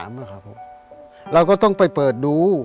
เราก็ต้องไปเปิดดู